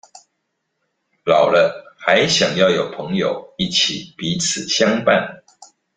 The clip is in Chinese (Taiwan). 老了還想要有朋友一起彼此相伴